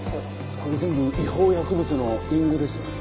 これ全部違法薬物の隠語ですよ。